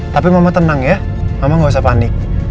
tapi mama tenang ya mama gak usah panik